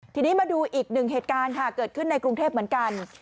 ทีนี้มาดูอีกหนึ่งเหตุการณ์ค่ะเกิดขึ้นในกรุงเทพเหมือนกัน